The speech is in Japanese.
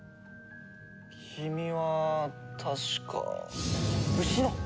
君は確かウシの！